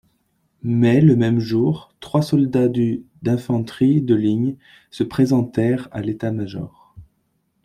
Mais le même jour, trois soldats du d'infanterie de ligne se présentèrent à l'état-major.